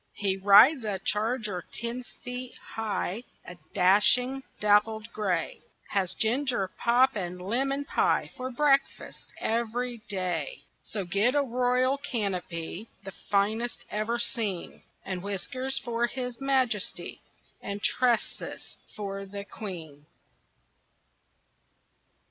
He rides a charger ten feet high, A dashing, dappled gray; Has ginger pop and lemon pie For breakfast every day. So get a royal canopy, The finest ever seen, And whiskers for his majesty, And tresses for the queen.